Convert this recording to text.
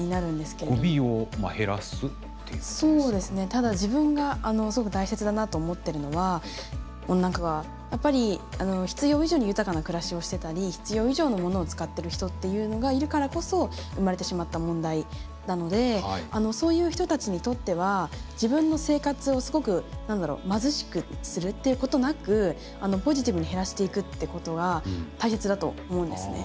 ただ自分がすごく大切だなと思ってるのは温暖化はやっぱり必要以上に豊かな暮らしをしてたり必要以上のものを使ってる人っていうのがいるからこそ生まれてしまった問題なのでそういう人たちにとっては自分の生活をすごく何だろう貧しくするっていうことなくポジティブに減らしていくってことが大切だと思うんですね。